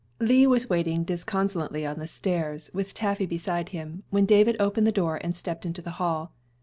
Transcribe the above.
LEE was waiting disconsolately on the stairs, with Taffy beside him, when David opened the door and stepped into the hall.